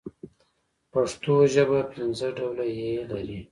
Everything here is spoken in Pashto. پښتو ژبه پنځه ډوله ي لري.